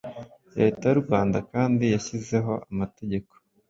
Leta y’u Rwanda kandi yashyizeho amategeko